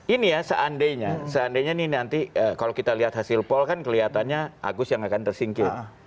ini ya seandainya seandainya ini nanti kalau kita lihat hasil pol kan kelihatannya agus yang akan tersingkir